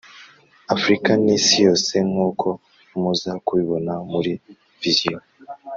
Africa n,isi yose nk,uko muza kubibona muri visiyo,